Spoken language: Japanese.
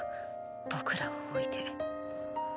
僕らを置いて。